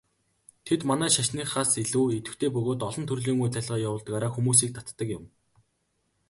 Тэд манай шашныхаас илүү идэвхтэй бөгөөд олон төрлийн үйл ажиллагаа явуулдгаараа хүмүүсийг татдаг юм.